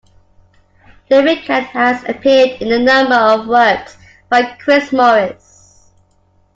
David Cann has appeared in a number of works by Chris Morris.